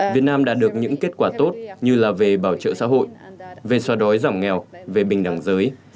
việt nam đã được những kết quả tốt như là về bảo trợ xã hội về xóa đói giảm nghèo về bình đẳng giới